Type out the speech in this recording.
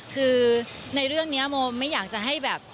คือในเรื่องนี้โมไม่อยากจะให้แบบ